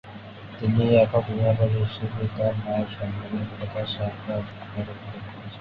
তিনি একক অভিভাবক হিসেবে তার মায়ের সংগ্রামের কথা সাক্ষাৎকারে উল্লেখ করেছেন।